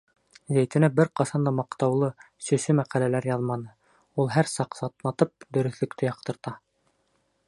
Зәйтүнә бер ҡасан да маҡтаулы, сөсө мәҡәләләр яҙманы, ул һәр саҡ, сатнатып, дөрөҫлөктө яҡтырта.